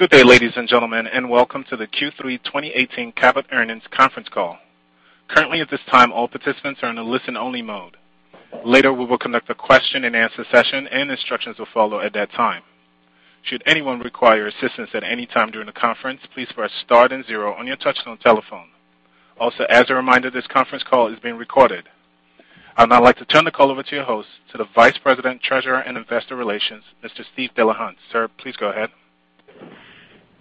Good day, ladies and gentlemen, and welcome to the Q3 2018 Cabot Earnings Conference Call. Currently, at this time, all participants are in a listen-only mode. Later, we will conduct a question and answer session, and instructions will follow at that time. Should anyone require assistance at any time during the conference, please press star and zero on your touchtone telephone. Also, as a reminder, this conference call is being recorded. I'd now like to turn the call over to your host, to the Vice President, Treasurer, and Investor Relations, Mr. Steve Delahunt. Sir, please go ahead.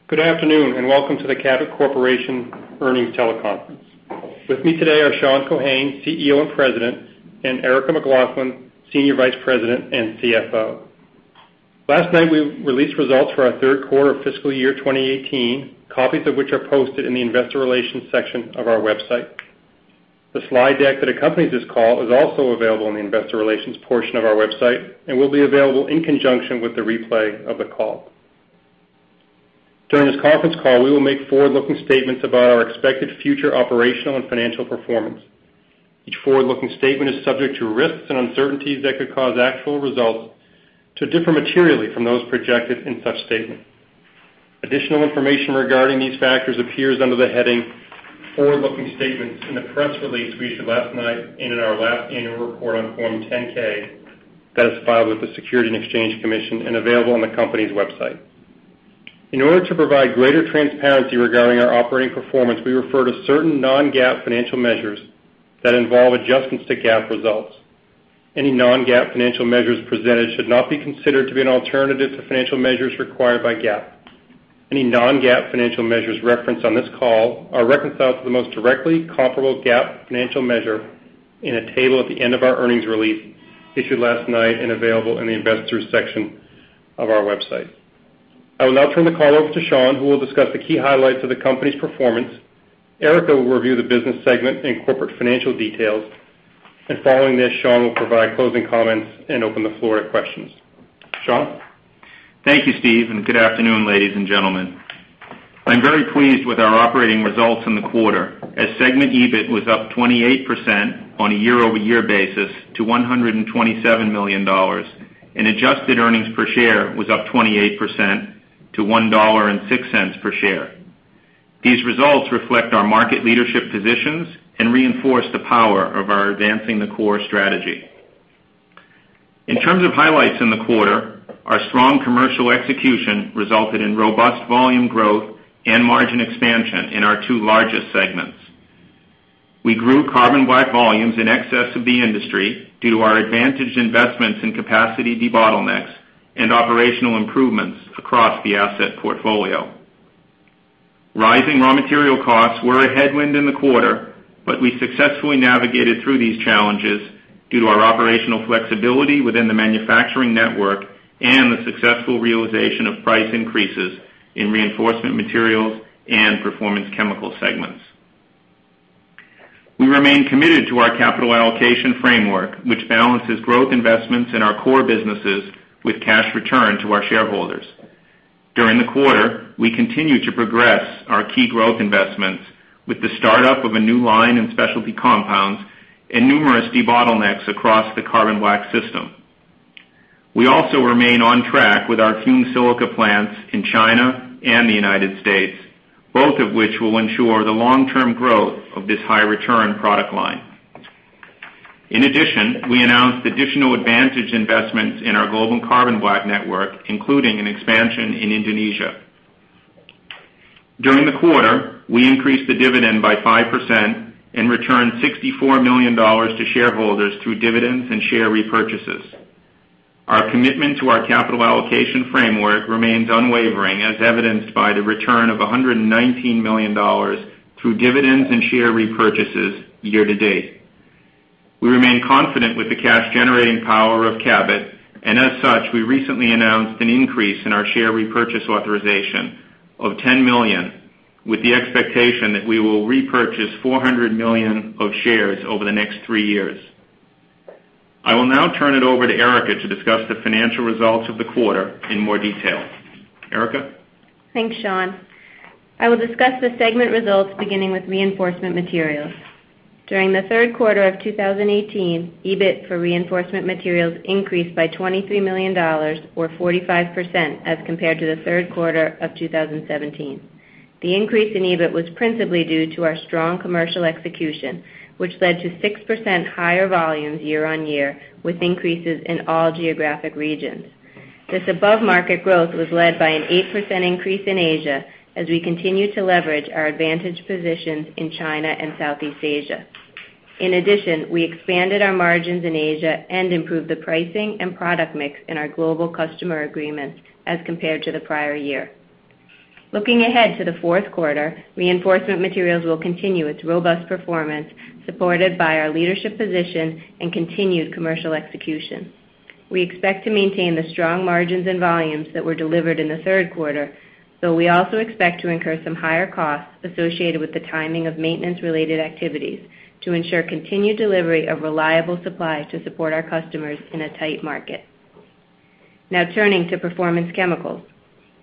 Good afternoon. Welcome to the Cabot Corporation Earnings Teleconference. With me today are Sean Keohane, CEO and President, and Erica McLaughlin, Senior Vice President and CFO. Last night, we released results for our third quarter of fiscal year 2018, copies of which are posted in the investor relations section of our website. The slide deck that accompanies this call is also available in the investor relations portion of our website and will be available in conjunction with the replay of the call. During this conference call, we will make forward-looking statements about our expected future operational and financial performance. Each forward-looking statement is subject to risks and uncertainties that could cause actual results to differ materially from those projected in such statements. Additional information regarding these factors appears under the heading Forward-Looking Statements in the press release we issued last night and in our last annual report on Form 10-K that is filed with the Securities and Exchange Commission and available on the company's website. In order to provide greater transparency regarding our operating performance, we refer to certain non-GAAP financial measures that involve adjustments to GAAP results. Any non-GAAP financial measures presented should not be considered to be an alternative to financial measures required by GAAP. Any non-GAAP financial measures referenced on this call are reconciled to the most directly comparable GAAP financial measure in a table at the end of our earnings release issued last night and available in the Investors section of our website. I will now turn the call over to Sean, who will discuss the key highlights of the company's performance. Erica will review the business segment and corporate financial details. Following this, Sean will provide closing comments and open the floor to questions. Sean? Thank you, Steve, and good afternoon, ladies and gentlemen. I'm very pleased with our operating results in the quarter, as segment EBIT was up 28% on a year-over-year basis to $127 million, and adjusted earnings per share was up 28% to $1.06 per share. These results reflect our market leadership positions and reinforce the power of our Advancing the Core strategy. In terms of highlights in the quarter, our strong commercial execution resulted in robust volume growth and margin expansion in our two largest segments. We grew carbon black volumes in excess of the industry due to our advantaged investments in capacity debottlenecks and operational improvements across the asset portfolio. Rising raw material costs were a headwind in the quarter, but we successfully navigated through these challenges due to our operational flexibility within the manufacturing network and the successful realization of price increases in Reinforcement Materials and Performance Chemicals segments. We remain committed to our capital allocation framework, which balances growth investments in our core businesses with cash return to our shareholders. During the quarter, we continued to progress our key growth investments with the startup of a new line in specialty compounds and numerous debottlenecks across the carbon black system. We also remain on track with our fumed silica plants in China and the United States, both of which will ensure the long-term growth of this high-return product line. In addition, we announced additional advantage investments in our global carbon black network, including an expansion in Indonesia. During the quarter, we increased the dividend by 5% and returned $64 million to shareholders through dividends and share repurchases. Our commitment to our capital allocation framework remains unwavering, as evidenced by the return of $119 million through dividends and share repurchases year to date. We remain confident with the cash-generating power of Cabot, and as such, we recently announced an increase in our share repurchase authorization of $10 million with the expectation that we will repurchase $400 million of shares over the next three years. I will now turn it over to Erica to discuss the financial results of the quarter in more detail. Erica? Thanks, Sean. I will discuss the segment results beginning with Reinforcement Materials. During the third quarter of 2018, EBIT for Reinforcement Materials increased by $23 million, or 45%, as compared to the third quarter of 2017. The increase in EBIT was principally due to our strong commercial execution, which led to 6% higher volumes year on year, with increases in all geographic regions. This above-market growth was led by an 8% increase in Asia as we continue to leverage our advantaged positions in China and Southeast Asia. In addition, we expanded our margins in Asia and improved the pricing and product mix in our global customer agreements as compared to the prior year. Looking ahead to the fourth quarter, Reinforcement Materials will continue its robust performance, supported by our leadership position and continued commercial execution. We expect to maintain the strong margins and volumes that were delivered in the third quarter, though we also expect to incur some higher costs associated with the timing of maintenance-related activities to ensure continued delivery of reliable supplies to support our customers in a tight market. Turning to Performance Chemicals,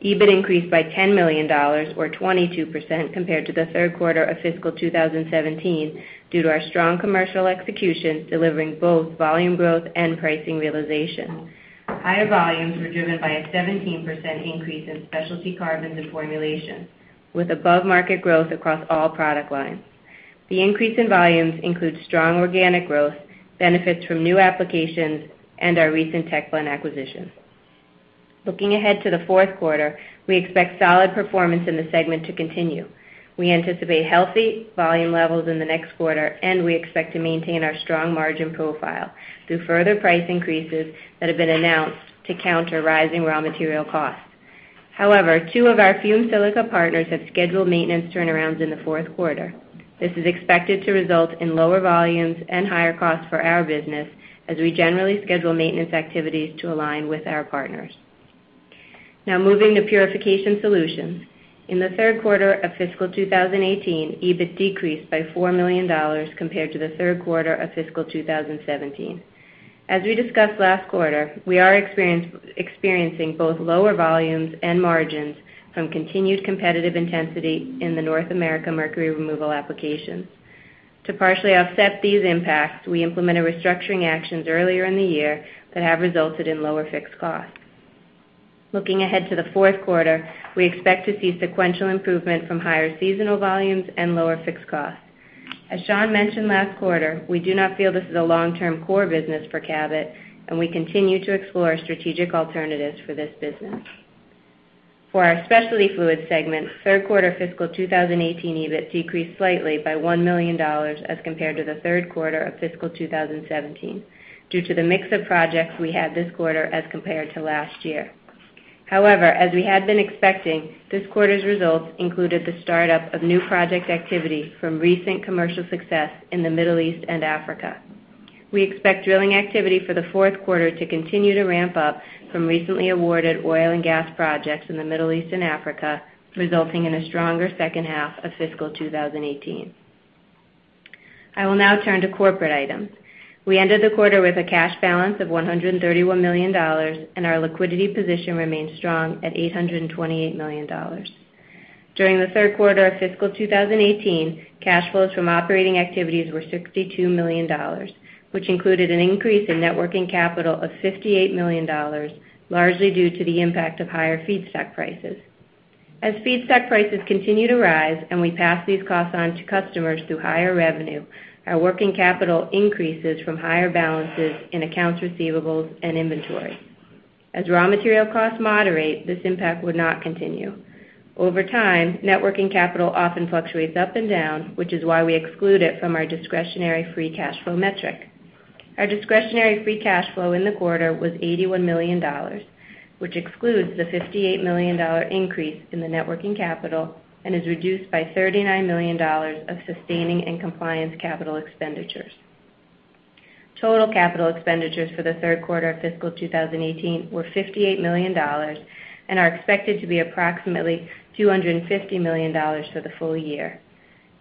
EBIT increased by $10 million, or 22%, compared to the third quarter of fiscal 2017 due to our strong commercial execution delivering both volume growth and pricing realization. Higher volumes were driven by a 17% increase in specialty carbons and formulations, with above-market growth across all product lines. The increase in volumes includes strong organic growth, benefits from new applications, and our recent Tech Blend acquisition. Looking ahead to the fourth quarter, we expect solid performance in the segment to continue. We anticipate healthy volume levels in the next quarter, we expect to maintain our strong margin profile through further price increases that have been announced to counter rising raw material costs. Two of our fumed silica partners have scheduled maintenance turnarounds in the fourth quarter. This is expected to result in lower volumes and higher costs for our business as we generally schedule maintenance activities to align with our partners. Moving to Purification Solutions, in the third quarter of fiscal 2018, EBIT decreased by $4 million compared to the third quarter of fiscal 2017. As we discussed last quarter, we are experiencing both lower volumes and margins from continued competitive intensity in the North America mercury removal application. To partially offset these impacts, we implemented restructuring actions earlier in the year that have resulted in lower fixed costs. Looking ahead to the fourth quarter, we expect to see sequential improvement from higher seasonal volumes and lower fixed costs. As Sean mentioned last quarter, we do not feel this is a long-term core business for Cabot, we continue to explore strategic alternatives for this business. For our Specialty Fluids segment, third quarter fiscal 2018 EBIT decreased slightly by $1 million as compared to the third quarter of fiscal 2017 due to the mix of projects we had this quarter as compared to last year. As we had been expecting, this quarter's results included the startup of new project activity from recent commercial success in the Middle East and Africa. We expect drilling activity for the fourth quarter to continue to ramp up from recently awarded oil and gas projects in the Middle East and Africa, resulting in a stronger second half of fiscal 2018. I will now turn to corporate items. We ended the quarter with a cash balance of $131 million, our liquidity position remains strong at $828 million. During the third quarter of fiscal 2018, cash flows from operating activities were $62 million, which included an increase in net working capital of $58 million, largely due to the impact of higher feedstock prices. As feedstock prices continue to rise and we pass these costs on to customers through higher revenue, our working capital increases from higher balances in accounts receivables and inventory. As raw material costs moderate, this impact would not continue. Over time, net working capital often fluctuates up and down, which is why we exclude it from our discretionary free cash flow metric. Our discretionary free cash flow in the quarter was $81 million, which excludes the $58 million increase in the net working capital and is reduced by $39 million of sustaining and compliance capital expenditures. Total capital expenditures for the third quarter of fiscal 2018 were $58 million and are expected to be approximately $250 million for the full year.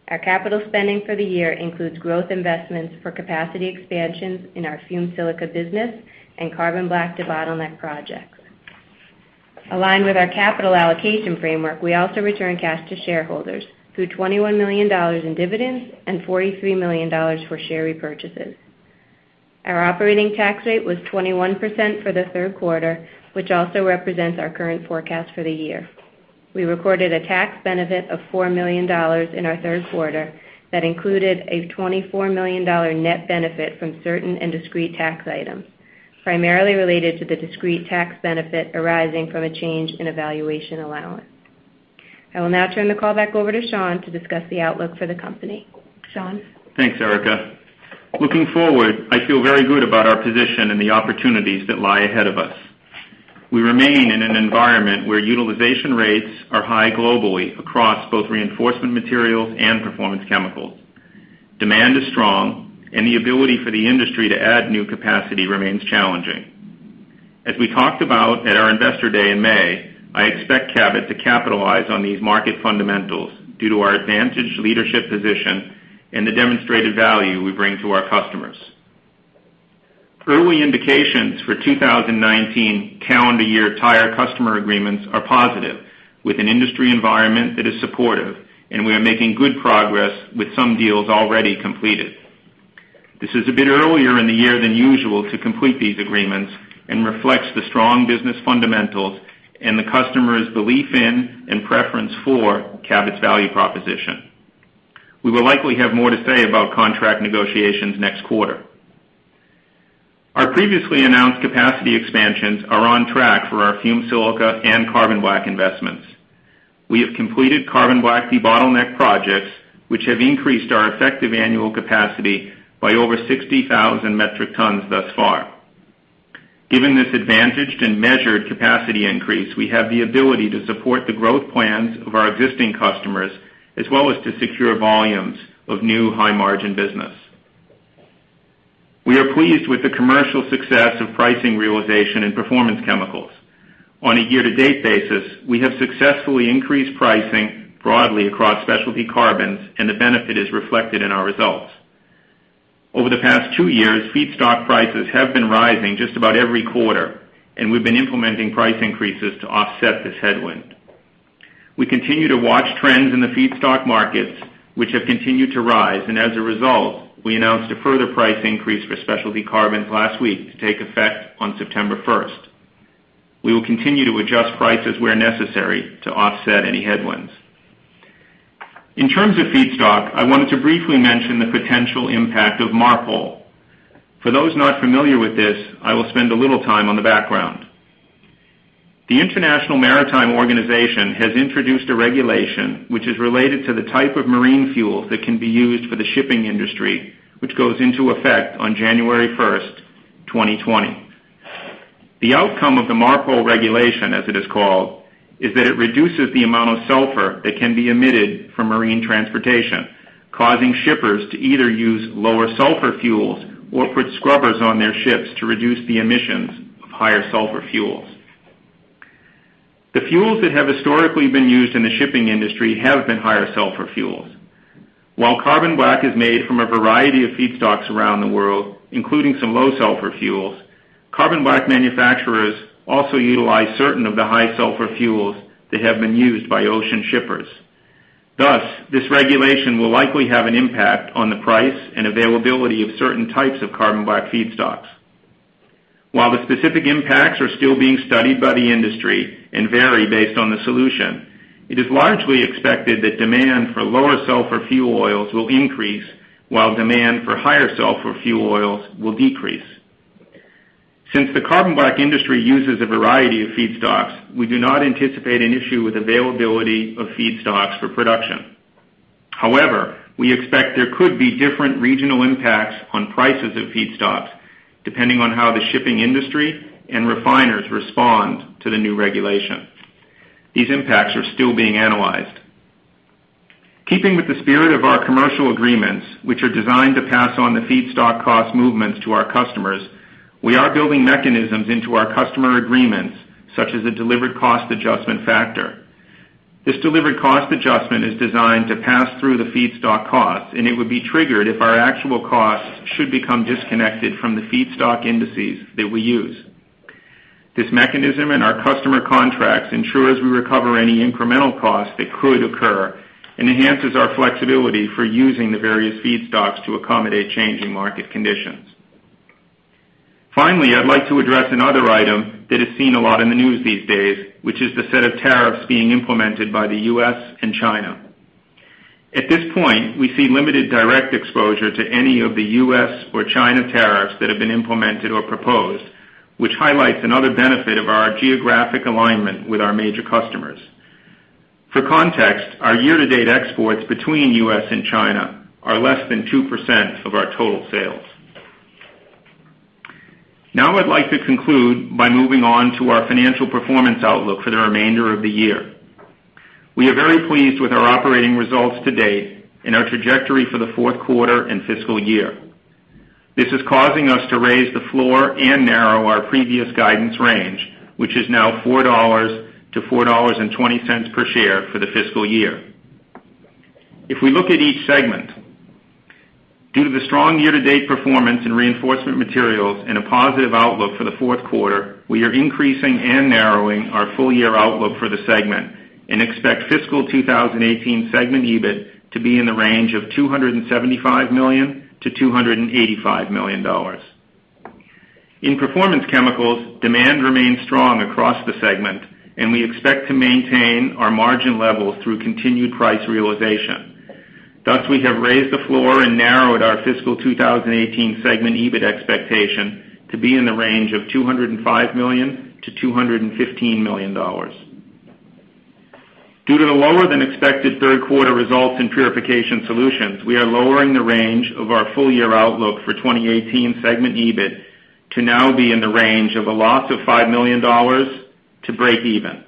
Our capital spending for the year includes growth investments for capacity expansions in our fumed silica business and carbon black debottleneck projects. Aligned with our capital allocation framework, we also return cash to shareholders through $21 million in dividends and $43 million for share repurchases. Our operating tax rate was 21% for the third quarter, which also represents our current forecast for the year. We recorded a tax benefit of $4 million in our third quarter that included a $24 million net benefit from certain and discrete tax items, primarily related to the discrete tax benefit arising from a change in a valuation allowance. I will now turn the call back over to Sean to discuss the outlook for the company. Sean? Thanks, Erica. Looking forward, I feel very good about our position and the opportunities that lie ahead of us. We remain in an environment where utilization rates are high globally across both Reinforcement Materials and Performance Chemicals. Demand is strong, and the ability for the industry to add new capacity remains challenging. As we talked about at our Investor Day in May, I expect Cabot to capitalize on these market fundamentals due to our advantaged leadership position and the demonstrated value we bring to our customers. Early indications for 2019 calendar year tire customer agreements are positive, with an industry environment that is supportive, and we are making good progress with some deals already completed. This is a bit earlier in the year than usual to complete these agreements and reflects the strong business fundamentals and the customers' belief in and preference for Cabot's value proposition. We will likely have more to say about contract negotiations next quarter. Our previously announced capacity expansions are on track for our fumed silica and carbon black investments. We have completed carbon black debottleneck projects, which have increased our effective annual capacity by over 60,000 metric tons thus far. Given this advantaged and measured capacity increase, we have the ability to support the growth plans of our existing customers, as well as to secure volumes of new high-margin business. We are pleased with the commercial success of pricing realization in Performance Chemicals. On a year-to-date basis, we have successfully increased pricing broadly across specialty carbons, and the benefit is reflected in our results. Over the past two years, feedstock prices have been rising just about every quarter, and we've been implementing price increases to offset this headwind. We continue to watch trends in the feedstock markets, which have continued to rise, and as a result, we announced a further price increase for Specialty Carbons last week to take effect on September 1st. We will continue to adjust prices where necessary to offset any headwinds. In terms of feedstock, I wanted to briefly mention the potential impact of MARPOL. For those not familiar with this, I will spend a little time on the background. The International Maritime Organization has introduced a regulation, which is related to the type of marine fuel that can be used for the shipping industry, which goes into effect on January 1st, 2020. The outcome of the MARPOL regulation, as it is called, is that it reduces the amount of sulfur that can be emitted from marine transportation, causing shippers to either use lower sulfur fuels or put scrubbers on their ships to reduce the emissions of higher sulfur fuels. The fuels that have historically been used in the shipping industry have been higher sulfur fuels. While carbon black is made from a variety of feedstocks around the world, including some low sulfur fuels, carbon black manufacturers also utilize certain of the high sulfur fuels that have been used by ocean shippers. This regulation will likely have an impact on the price and availability of certain types of carbon black feedstocks. While the specific impacts are still being studied by the industry and vary based on the solution, it is largely expected that demand for lower sulfur fuel oils will increase, while demand for higher sulfur fuel oils will decrease. The carbon black industry uses a variety of feedstocks, we do not anticipate an issue with availability of feedstocks for production. We expect there could be different regional impacts on prices of feedstocks, depending on how the shipping industry and refiners respond to the new regulation. These impacts are still being analyzed. With the spirit of our commercial agreements, which are designed to pass on the feedstock cost movements to our customers, we are building mechanisms into our customer agreements, such as a delivered cost adjustment factor. This delivered cost adjustment is designed to pass through the feedstock costs, and it would be triggered if our actual costs should become disconnected from the feedstock indices that we use. This mechanism in our customer contracts ensures we recover any incremental costs that could occur and enhances our flexibility for using the various feedstocks to accommodate changing market conditions. Finally, I'd like to address another item that is seen a lot in the news these days, which is the set of tariffs being implemented by the U.S. and China. At this point, we see limited direct exposure to any of the U.S. or China tariffs that have been implemented or proposed, which highlights another benefit of our geographic alignment with our major customers. For context, our year-to-date exports between U.S. and China are less than 2% of our total sales. Now I'd like to conclude by moving on to our financial performance outlook for the remainder of the year. We are very pleased with our operating results to date and our trajectory for the fourth quarter and fiscal year. This is causing us to raise the floor and narrow our previous guidance range, which is now $4 to $4.20 per share for the fiscal year. If we look at each segment, due to the strong year-to-date performance in Reinforcement Materials and a positive outlook for the fourth quarter, we are increasing and narrowing our full-year outlook for the segment and expect fiscal 2018 segment EBIT to be in the range of $275 million to $285 million. In Performance Chemicals, demand remains strong across the segment, and we expect to maintain our margin levels through continued price realization. We have raised the floor and narrowed our fiscal 2018 segment EBIT expectation to be in the range of $205 million to $215 million. Due to the lower than expected third quarter results in Purification Solutions, we are lowering the range of our full-year outlook for 2018 segment EBIT to now be in the range of a loss of $5 million to breakeven.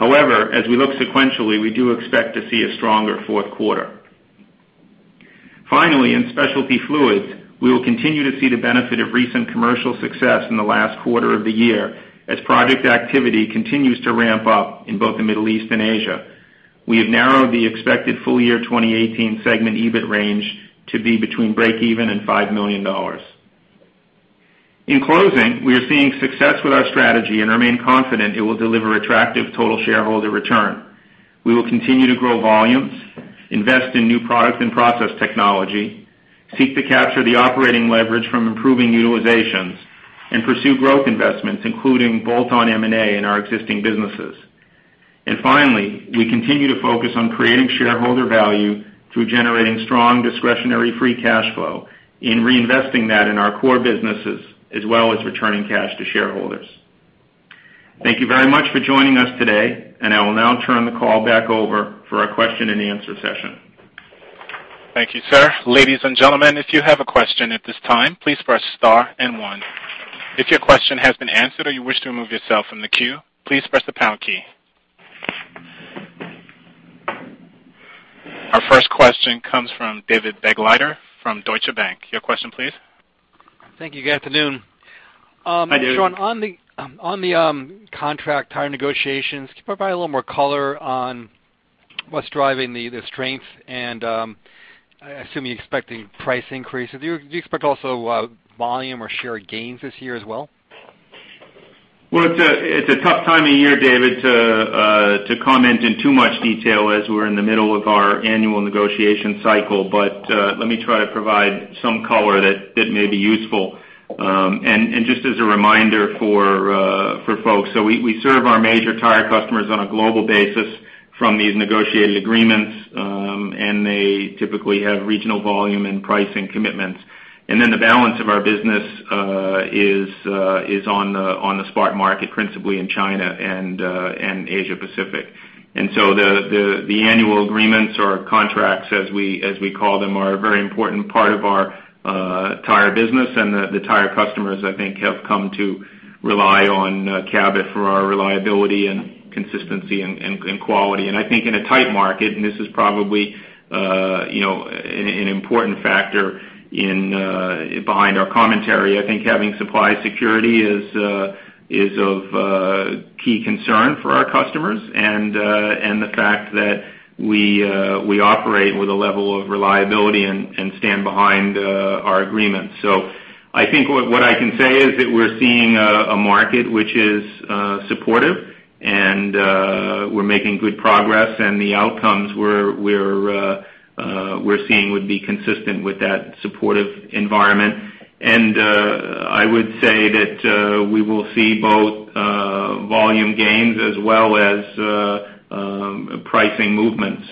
As we look sequentially, we do expect to see a stronger fourth quarter. In Specialty Fluids, we will continue to see the benefit of recent commercial success in the last quarter of the year as project activity continues to ramp up in both the Middle East and Asia. We have narrowed the expected full-year 2018 segment EBIT range to be between breakeven and $5 million. In closing, we are seeing success with our strategy and remain confident it will deliver attractive total shareholder return. We will continue to grow volumes, invest in new product and process technology, seek to capture the operating leverage from improving utilizations, and pursue growth investments, including bolt-on M&A in our existing businesses. Finally, we continue to focus on creating shareholder value through generating strong discretionary free cash flow and reinvesting that in our core businesses, as well as returning cash to shareholders. Thank you very much for joining us today, and I will now turn the call back over for our question and answer session. Thank you, sir. Ladies and gentlemen, if you have a question at this time, please press star and one. If your question has been answered or you wish to remove yourself from the queue, please press the pound key. Our first question comes from David Begleiter from Deutsche Bank. Your question, please. Thank you. Good afternoon. Hi, David. Sean, on the contract tire negotiations, can you provide a little more color on what's driving the strength and I assume you're expecting price increases. Do you expect also volume or share gains this year as well? Well, it's a tough time of year, David, to comment in too much detail as we're in the middle of our annual negotiation cycle. Let me try to provide some color that may be useful. Just as a reminder for folks, so we serve our major tire customers on a global basis. From these negotiated agreements, and they typically have regional volume and pricing commitments. Then the balance of our business is on the spot market, principally in China and Asia Pacific. The annual agreements or contracts, as we call them, are a very important part of our tire business. The tire customers, I think, have come to rely on Cabot for our reliability and consistency and quality. I think in a tight market, and this is probably an important factor behind our commentary, I think having supply security is of key concern for our customers, and the fact that we operate with a level of reliability and stand behind our agreements. I think what I can say is that we're seeing a market which is supportive, and we're making good progress, and the outcomes we're seeing would be consistent with that supportive environment. I would say that we will see both volume gains as well as pricing movements,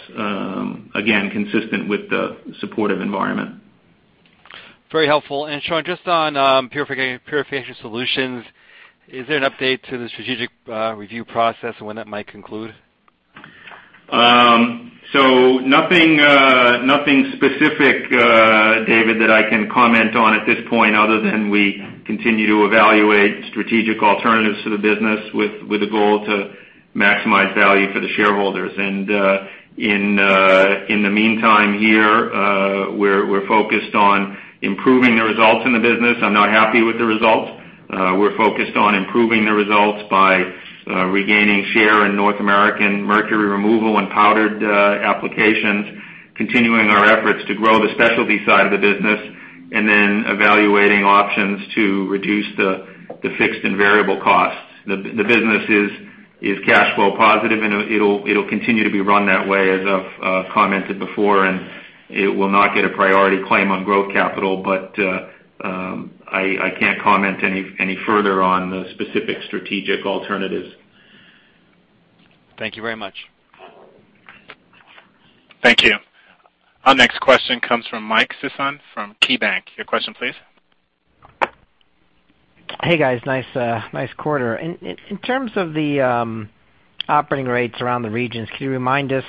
again, consistent with the supportive environment. Very helpful. Sean, just on Purification Solutions, is there an update to the strategic review process and when that might conclude? Nothing specific, David, that I can comment on at this point other than we continue to evaluate strategic alternatives to the business with the goal to maximize value for the shareholders. In the meantime here, we're focused on improving the results in the business. I'm not happy with the results. We're focused on improving the results by regaining share in North American mercury removal and powdered applications, continuing our efforts to grow the specialty side of the business, and then evaluating options to reduce the fixed and variable costs. The business is cash flow positive, and it'll continue to be run that way as I've commented before, and it will not get a priority claim on growth capital. I can't comment any further on the specific strategic alternatives. Thank you very much. Thank you. Our next question comes from Mike Sison from KeyBank. Your question please. Hey, guys. Nice quarter. In terms of the operating rates around the regions, can you remind us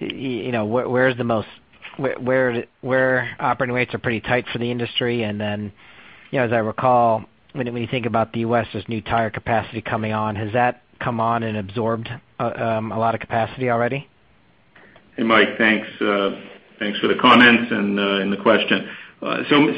where operating rates are pretty tight for the industry? As I recall, when you think about the U.S., there's new tire capacity coming on. Has that come on and absorbed a lot of capacity already? Hey, Mike, thanks. Thanks for the comments and the question.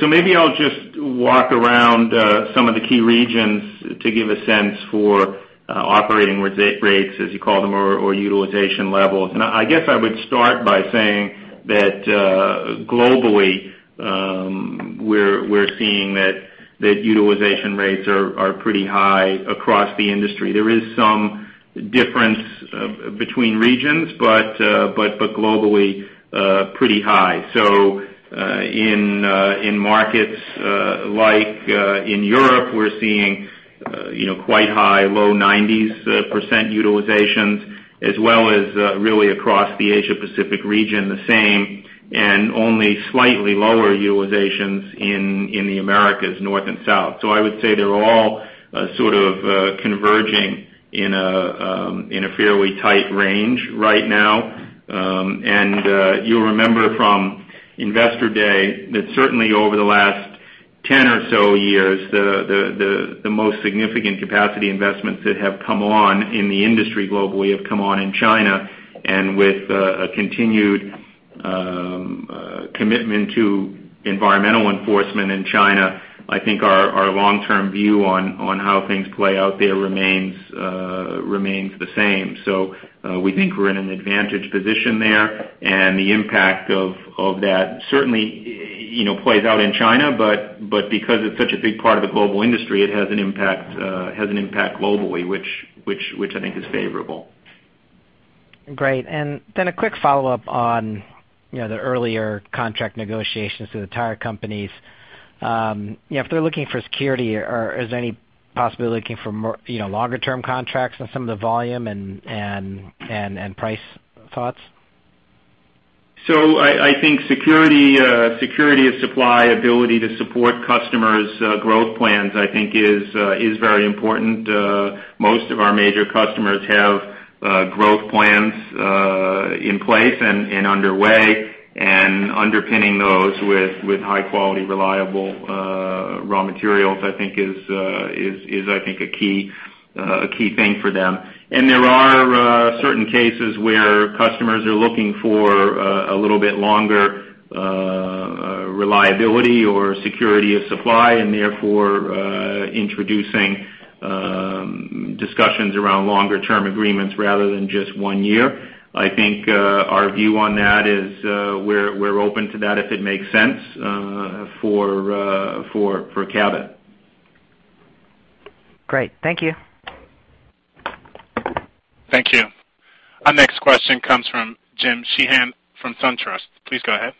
Maybe I'll just walk around some of the key regions to give a sense for operating rates, as you call them, or utilization levels. I guess I would start by saying that globally, we're seeing that utilization rates are pretty high across the industry. There is some difference between regions, but globally, pretty high. In markets like in Europe, we're seeing quite high, low 90s% utilizations as well as really across the Asia Pacific region, the same, and only slightly lower utilizations in the Americas, north and south. I would say they're all sort of converging in a fairly tight range right now. You'll remember from Investor Day that certainly over the last 10 or so years, the most significant capacity investments that have come on in the industry globally have come on in China. With a continued commitment to environmental enforcement in China, I think our long-term view on how things play out there remains the same. We think we're in an advantaged position there. The impact of that certainly plays out in China, but because it's such a big part of the global industry, it has an impact globally, which I think is favorable. Great. A quick follow-up on the earlier contract negotiations with the tire companies. If they're looking for security, is there any possibility looking for longer-term contracts on some of the volume and price thoughts? I think security of supply, ability to support customers' growth plans, I think, is very important. Most of our major customers have growth plans in place and underway, underpinning those with high-quality, reliable raw materials, I think, is a key thing for them. There are certain cases where customers are looking for a little bit longer reliability or security of supply and therefore introducing discussions around longer-term agreements rather than just one year. I think our view on that is we're open to that if it makes sense for Cabot. Great. Thank you. Thank you. Our next question comes from Jim Sheehan from SunTrust. Please go ahead.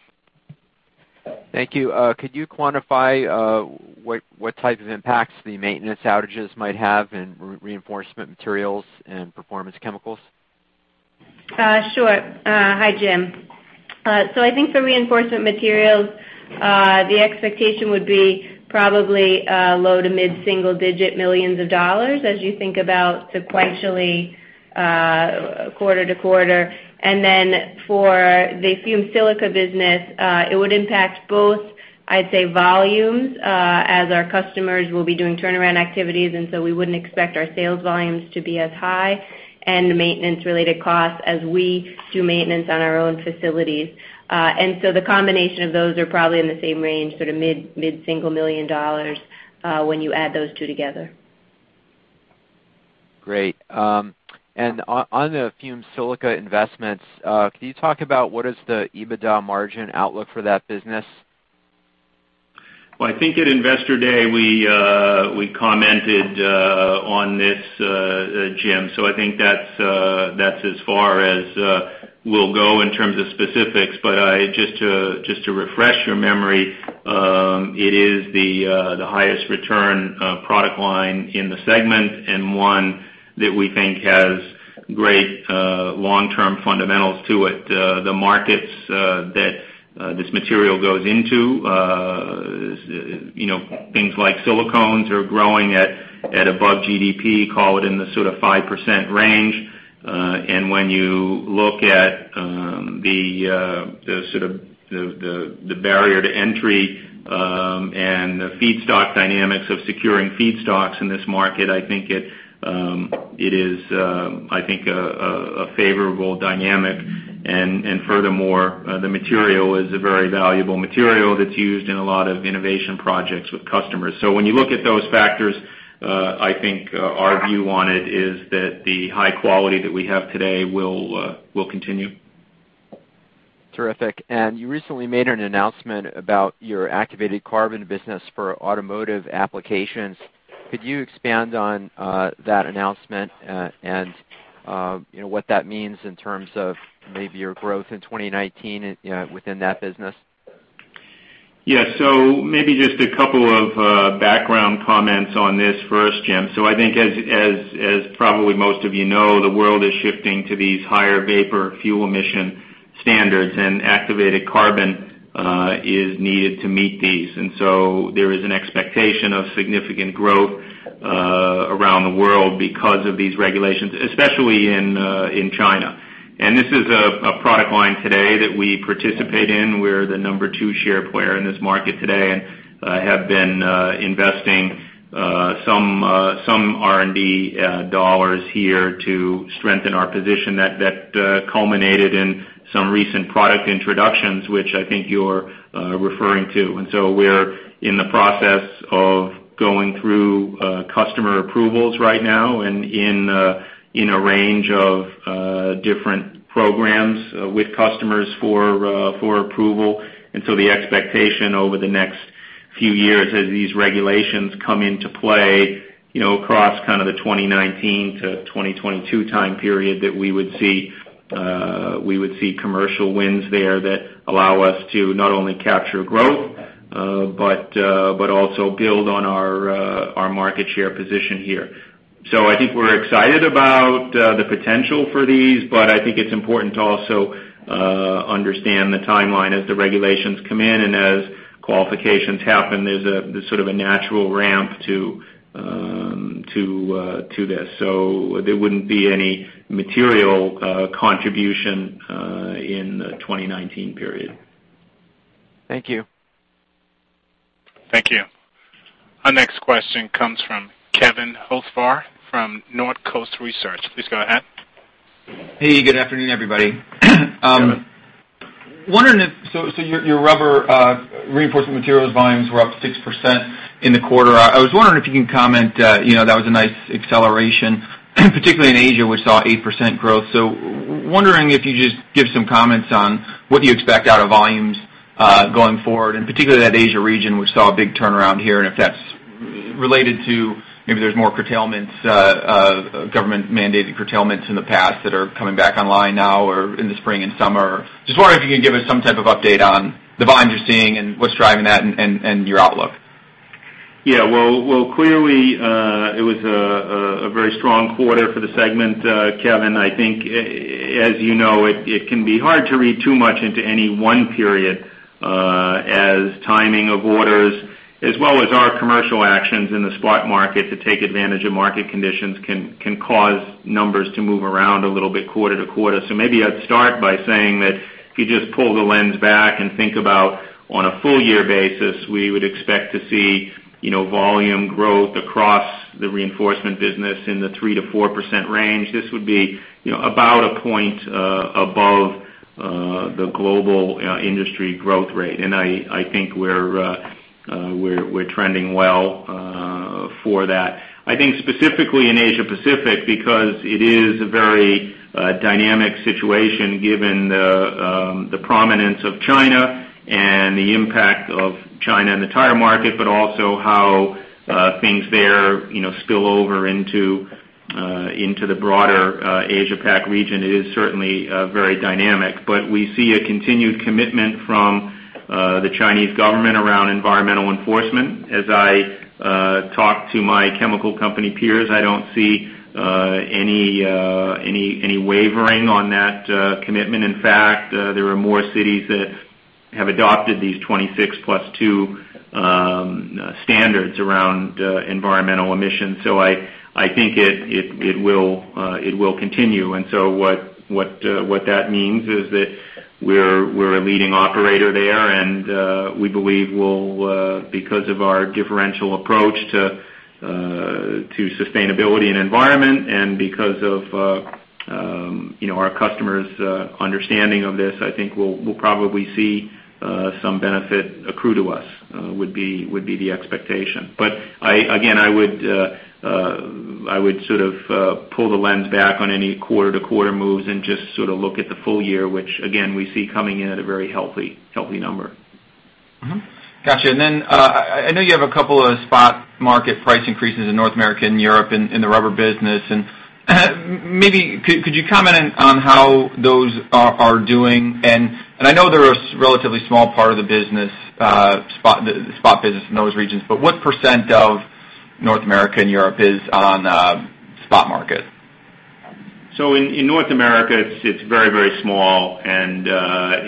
Thank you. Could you quantify what type of impacts the maintenance outages might have in Reinforcement Materials and Performance Chemicals? Sure. Hi, Jim. I think for Reinforcement Materials, the expectation would be probably low to mid-single-digit millions of dollars as you think about sequentially quarter to quarter. For the fumed silica business, it would impact both, I'd say, volumes as our customers will be doing turnaround activities, we wouldn't expect our sales volumes to be as high, and the maintenance-related costs as we do maintenance on our own facilities. The combination of those are probably in the same range, sort of mid-single million dollars, when you add those two together. Great. On the fumed silica investments, can you talk about what is the EBITDA margin outlook for that business? Well, I think at Investor Day, we commented on this, Jim, I think that's as far as we'll go in terms of specifics. Just to refresh your memory, it is the highest return product line in the segment and one that we think has great long-term fundamentals to it. The markets that this material goes into, things like silicones are growing at above GDP, call it in the sort of 5% range. When you look at the barrier to entry and the feedstock dynamics of securing feedstocks in this market, I think it is a favorable dynamic. Furthermore, the material is a very valuable material that's used in a lot of innovation projects with customers. When you look at those factors, I think our view on it is that the high quality that we have today will continue. Terrific. You recently made an announcement about your activated carbon business for automotive applications. Could you expand on that announcement and what that means in terms of maybe your growth in 2019 within that business? Maybe just a couple of background comments on this first, Jim. I think as probably most of you know, the world is shifting to these higher vapor fuel emission standards, activated carbon is needed to meet these. There is an expectation of significant growth around the world because of these regulations, especially in China. This is a product line today that we participate in. We're the number 2 share player in this market today and have been investing some R&D dollars here to strengthen our position. That culminated in some recent product introductions, which I think you're referring to. We're in the process of going through customer approvals right now and in a range of different programs with customers for approval. The expectation over the next few years, as these regulations come into play across the 2019 to 2022 time period, that we would see commercial wins there that allow us to not only capture growth, but also build on our market share position here. I think we're excited about the potential for these, but I think it's important to also understand the timeline as the regulations come in and as qualifications happen. There's a sort of a natural ramp to this. There wouldn't be any material contribution in the 2019 period. Thank you. Thank you. Our next question comes from Kevin Hocevar from Northcoast Research. Please go ahead. Hey, good afternoon, everybody. Kevin. Your Rubber Reinforcement Materials volumes were up 6% in the quarter. I was wondering if you can comment, that was a nice acceleration, particularly in Asia, which saw 8% growth. Wondering if you just give some comments on what you expect out of volumes going forward, and particularly that Asia region, which saw a big turnaround here, and if that's related to maybe there's more curtailments, government-mandated curtailments in the past that are coming back online now or in the spring and summer. Just wondering if you can give us some type of update on the volumes you're seeing and what's driving that and your outlook. Yeah. Well, clearly, it was a very strong quarter for the segment, Kevin. I think, as you know, it can be hard to read too much into any one period as timing of orders, as well as our commercial actions in the spot market to take advantage of market conditions can cause numbers to move around a little bit quarter to quarter. Maybe I'd start by saying that if you just pull the lens back and think about on a full year basis, we would expect to see volume growth across the reinforcement business in the 3%-4% range. This would be about a point above the global industry growth rate. I think we're trending well for that. I think specifically in Asia Pacific, because it is a very dynamic situation given the prominence of China and the impact of China in the tire market, but also how things there spill over into the broader Asia PAC region. It is certainly very dynamic. We see a continued commitment from the Chinese government around environmental enforcement. As I talk to my chemical company peers, I don't see any wavering on that commitment. In fact, there are more cities that have adopted these 26 plus two standards around environmental emissions. I think it will continue. What that means is that we're a leading operator there, and we believe because of our differential approach to sustainability and environment, and because of our customers' understanding of this, I think we'll probably see some benefit accrue to us, would be the expectation. Again, I would sort of pull the lens back on any quarter-to-quarter moves and just sort of look at the full year, which again, we see coming in at a very healthy number. Got you. Then, I know you have a couple of spot market price increases in North America and Europe in the rubber business. Maybe could you comment on how those are doing? I know they're a relatively small part of the business, spot business in those regions, but what % of North America and Europe is on spot market? In North America, it's very small, and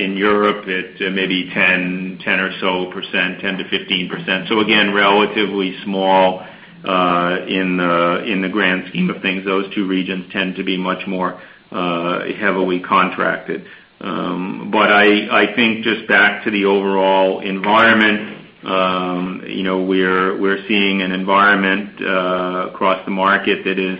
in Europe it's maybe 10 or so %, 10%-15%. Again, relatively small in the grand scheme of things. Those two regions tend to be much more heavily contracted. I think just back to the overall environment, we're seeing an environment across the market that is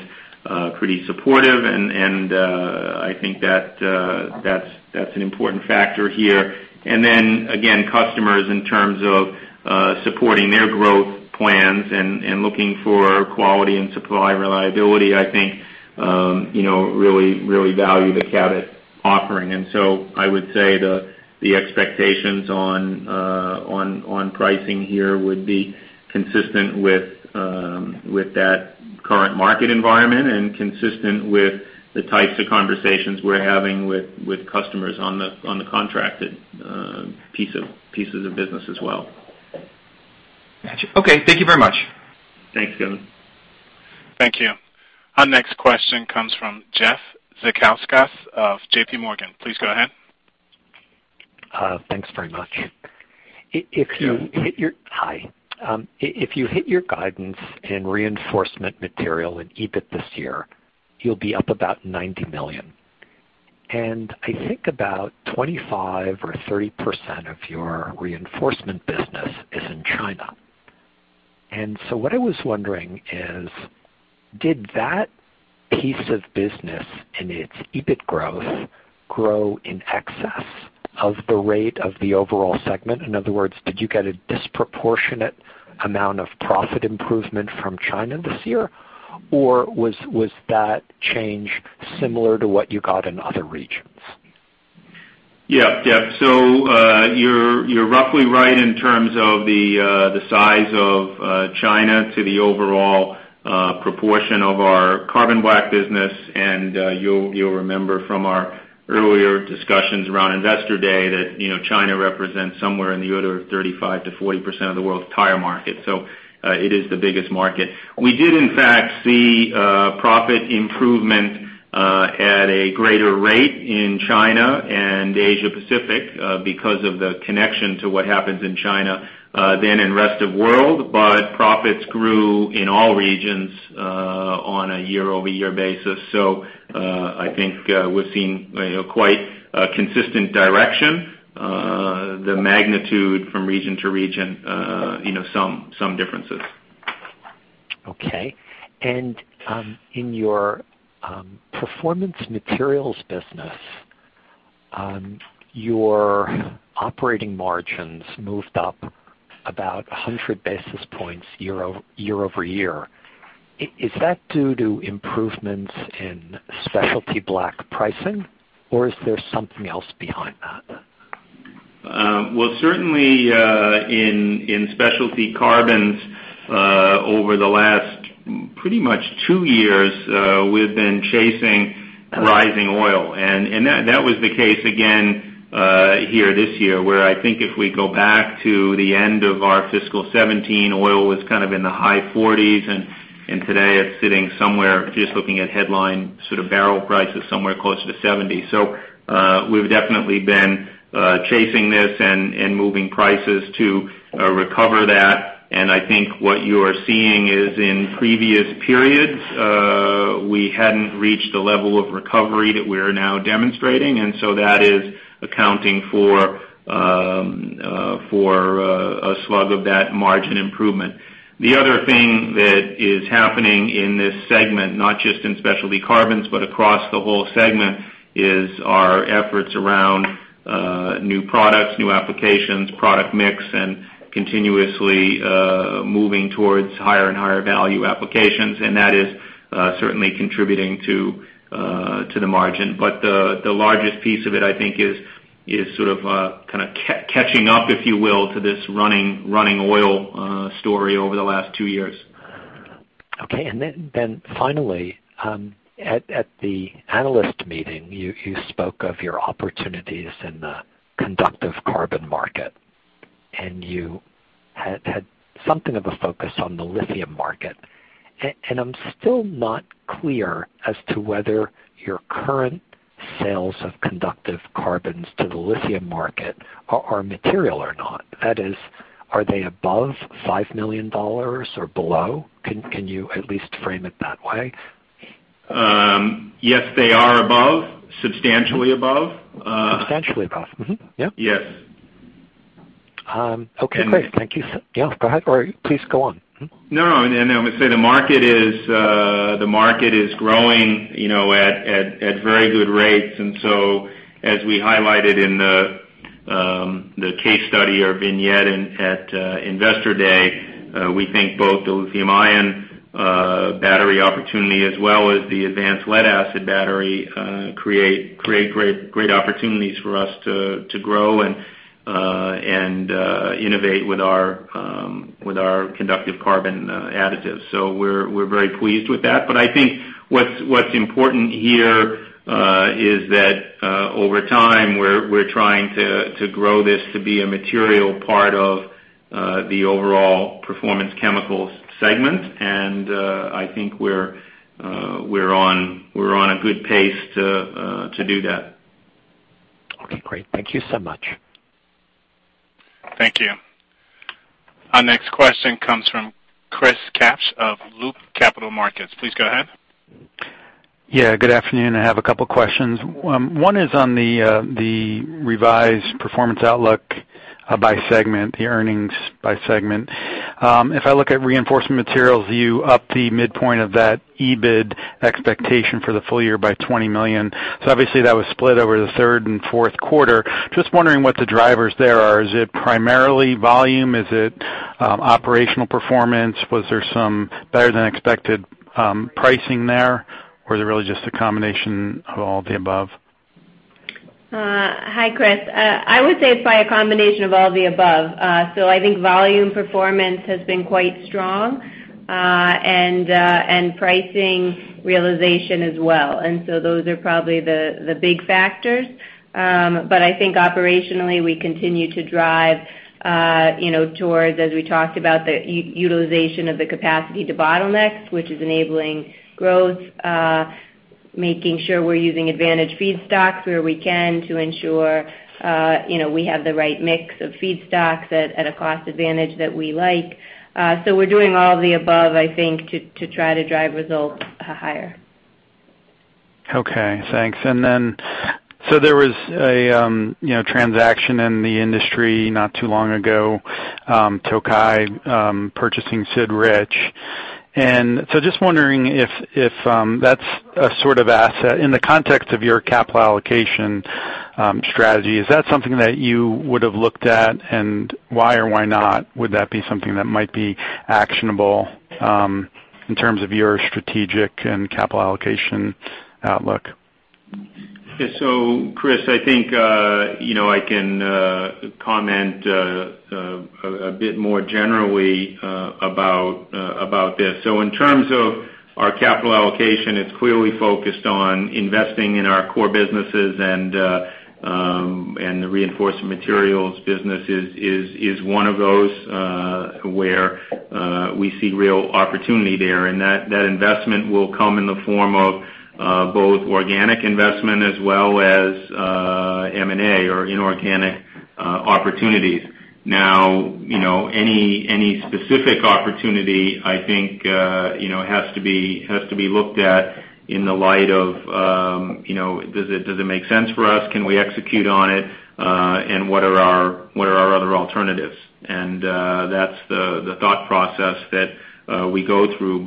pretty supportive and I think that's an important factor here. Then again, customers in terms of supporting their growth plans and looking for quality and supply reliability, I think really value the Cabot offering. I would say the expectations on pricing here would be consistent with that current market environment and consistent with the types of conversations we're having with customers on the contracted pieces of business as well. Got you. Okay. Thank you very much. Thanks, Kevin. Thank you. Our next question comes from Jeff Zekauskas of JPMorgan. Please go ahead. Thanks very much. Yeah. Hi. If you hit your guidance in Reinforcement Materials and EBIT this year, you'll be up about $90 million. I think about 25% or 30% of your Reinforcement Materials business is in China. What I was wondering is, did that piece of business and its EBIT growth grow in excess of the rate of the overall segment? In other words, did you get a disproportionate amount of profit improvement from China this year, or was that change similar to what you got in other regions? Jeff, you're roughly right in terms of the size of China to the overall proportion of our carbon black business. You'll remember from our earlier discussions around Investor Day that China represents somewhere in the order of 35%-40% of the world's tire market. It is the biggest market. We did in fact see profit improvement at a greater rate in China and Asia Pacific because of the connection to what happens in China than in rest of world. Profits grew in all regions on a year-over-year basis. I think we're seeing quite a consistent direction. The magnitude from region to region, some differences. Okay. In your Performance Chemicals business, your operating margins moved up about 100 basis points year-over-year. Is that due to improvements in specialty carbons pricing, or is there something else behind that? Certainly, in specialty carbons, over the last pretty much two years, we've been chasing rising oil. That was the case again here this year, where I think if we go back to the end of our fiscal 2017, oil was kind of in the high 40s, and today it's sitting somewhere, just looking at headline sort of barrel prices, somewhere closer to 70. We've definitely been chasing this and moving prices to recover that. I think what you are seeing is in previous periods, we hadn't reached the level of recovery that we are now demonstrating. That is accounting for a slug of that margin improvement. The other thing that is happening in this segment, not just in specialty carbons, but across the whole segment, is our efforts around new products, new applications, product mix, and continuously moving towards higher and higher value applications. That is certainly contributing to the margin. The largest piece of it, I think, is sort of catching up, if you will, to this running oil story over the last two years. Okay. Finally, at the analyst meeting, you spoke of your opportunities in the conductive carbon market, you had something of a focus on the lithium market. I'm still not clear as to whether your current sales of conductive carbons to the lithium market are material or not. That is, are they above $5 million or below? Can you at least frame it that way? Yes, they are above. Substantially above. Substantially above? Mm-hmm. Yeah. Yes. Okay, great. Thank you, sir. Yeah, go ahead. Please go on. No, I was going to say, the market is growing at very good rates. As we highlighted in the case study or vignette at Investor Day, we think both the lithium-ion battery opportunity as well as the advanced lead-acid battery create great opportunities for us to grow and innovate with our conductive carbon additives. We're very pleased with that. I think what's important here is that, over time, we're trying to grow this to be a material part of the overall Performance Chemicals segment. I think we're on a good pace to do that. Okay, great. Thank you so much. Thank you. Our next question comes from Chris Kapsch of Loop Capital Markets. Please go ahead. Yeah, good afternoon. I have a couple of questions. One is on the revised performance outlook by segment, the earnings by segment. If I look at Reinforcement Materials, you up the midpoint of that EBIT expectation for the full year by $20 million. Obviously that was split over the third and fourth quarter. Just wondering what the drivers there are. Is it primarily volume? Is it operational performance? Was there some better-than-expected pricing there? Is it really just a combination of all the above? Hi, Chris. I would say it's by a combination of all the above. I think volume performance has been quite strong, and pricing realization as well. Those are probably the big factors. I think operationally, we continue to drive towards, as we talked about, the utilization of the capacity to debottleneck, which is enabling growth, making sure we're using advantage feedstocks where we can to ensure we have the right mix of feedstocks at a cost advantage that we like. We're doing all of the above, I think, to try to drive results higher. Okay, thanks. There was a transaction in the industry not too long ago, Tokai purchasing Sid Rich. Just wondering if that's a sort of asset in the context of your capital allocation strategy. Is that something that you would have looked at, and why or why not would that be something that might be actionable in terms of your strategic and capital allocation outlook? Chris, I think I can comment a bit more generally about this. In terms of our capital allocation, it's clearly focused on investing in our core businesses, and the Reinforcement Materials business is one of those where we see real opportunity there, and that investment will come in the form of both organic investment as well as M&A or inorganic opportunities. Now, any specific opportunity, I think, has to be looked at in the light of, does it make sense for us? Can we execute on it? What are our other alternatives? That's the thought process that we go through.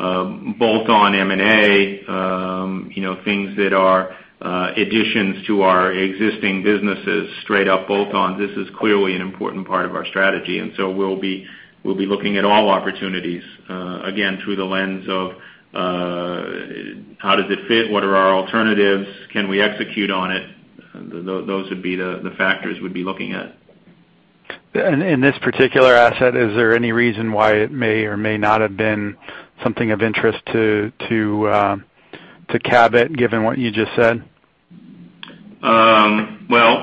Bolt-on M&A, things that are additions to our existing businesses, straight up bolt-on, this is clearly an important part of our strategy. We'll be looking at all opportunities, again, through the lens of how does it fit, what are our alternatives, can we execute on it? Those would be the factors we'd be looking at. In this particular asset, is there any reason why it may or may not have been something of interest to Cabot, given what you just said?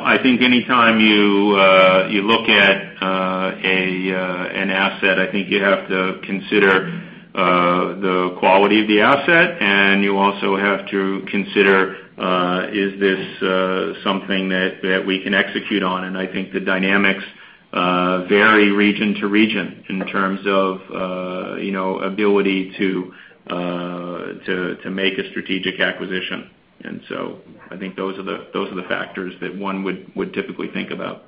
I think anytime you look at an asset, I think you have to consider the quality of the asset, and you also have to consider, is this something that we can execute on? I think the dynamics vary region to region in terms of ability to make a strategic acquisition. I think those are the factors that one would typically think about.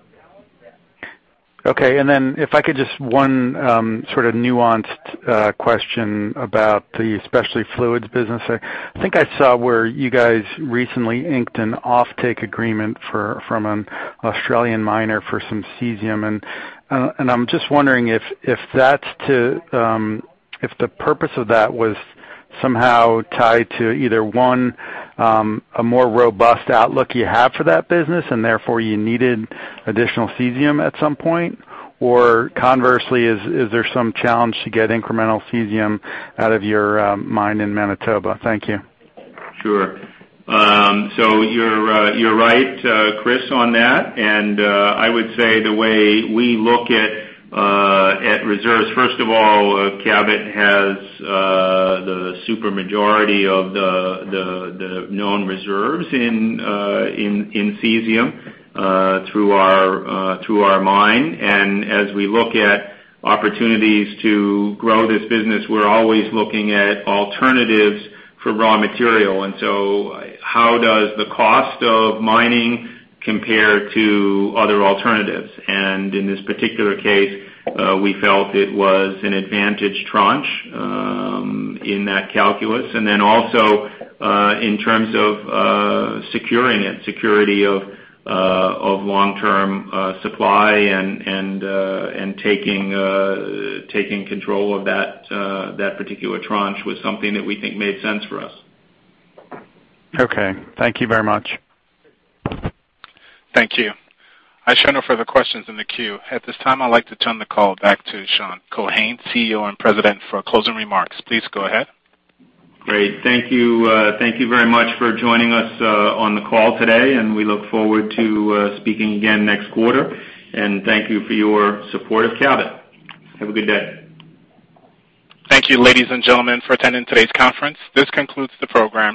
If I could just, 1 sort of nuanced question about the Specialty Fluids business. I think I saw where you guys recently inked an offtake agreement from an Australian miner for some cesium, and I'm just wondering if the purpose of that was somehow tied to either, 1, a more robust outlook you have for that business, and therefore you needed additional cesium at some point, or conversely, is there some challenge to get incremental cesium out of your mine in Manitoba? Thank you. Sure. You're right, Chris, on that. I would say the way we look at reserves, first of all, Cabot has the super majority of the known reserves in cesium through our mine. As we look at opportunities to grow this business, we're always looking at alternatives for raw material. How does the cost of mining compare to other alternatives? In this particular case, we felt it was an advantage tranche in that calculus. Also, in terms of securing it, security of long-term supply and taking control of that particular tranche was something that we think made sense for us. Okay. Thank you very much. Thank you. I show no further questions in the queue. At this time, I'd like to turn the call back to Sean Keohane, CEO and President, for closing remarks. Please go ahead. Great. Thank you. Thank you very much for joining us on the call today. We look forward to speaking again next quarter. Thank you for your support of Cabot. Have a good day. Thank you, ladies and gentlemen, for attending today's conference. This concludes the program.